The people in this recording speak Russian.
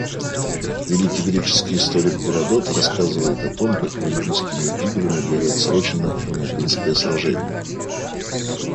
Великий греческий историк Геродот рассказывает о том, как Олимпийскими играми было отсрочено Фермопильское сражение.